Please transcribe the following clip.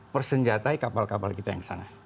persenjatai kapal kapal kita yang sana